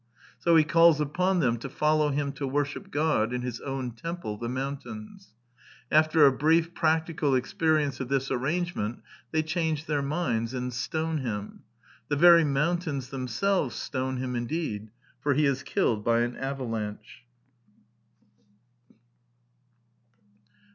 So he calls upon them to follow him to worship God in His own temple, the mountains. After a brief practical experience of this arrangement, they change their minds, and stone him. The very mountains themselves stone him, indeed; for he is killed by an avalanche.